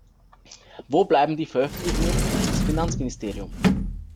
Wo bleiben die Veröffentlichungen durch das Finanzministerium?